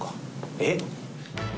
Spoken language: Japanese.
えっ？